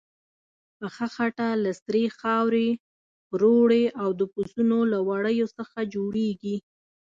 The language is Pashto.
پخه خټه له سرې خاورې، پروړې او د پسونو له وړیو څخه جوړیږي.